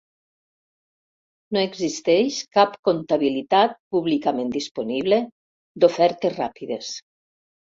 No existeix cap comptabilitat públicament disponible d'ofertes ràpides.